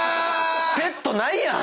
ペットないやん！